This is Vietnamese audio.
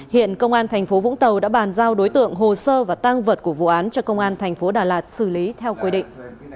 hiện công an thành phố vũng tàu đã bàn giao đối tượng hồ sơ và tăng vật của vụ án cho công an thành phố đà lạt xử lý theo quy định